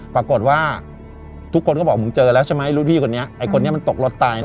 ปรากฏว่าทุกคนก็บอกมึงเจอแล้วใช่ไหมรุ่นพี่คนนี้ไอ้คนนี้มันตกรถตายนะ